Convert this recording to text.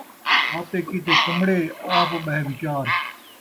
آپے کیتے کمڑے، آپ ٻہہ وچار